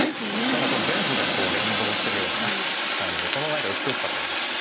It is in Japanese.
何か全部が連動してるような感じでこの何か美しさといいますか。